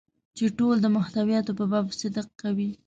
چې ټول د محتویاتو په باب صدق کوي.